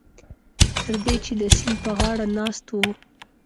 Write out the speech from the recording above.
تر دې چې د سیند په غاړه ناست وو.